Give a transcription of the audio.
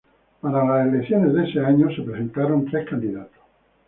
Para las elecciones de ese año, se presentaron tres candidatos.